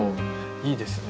いいですね